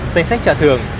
danh sách trả thưởng